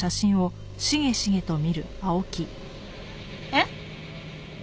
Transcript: えっ？